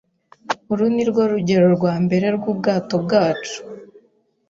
Uru nirwo rugendo rwambere rwubwato bwacu.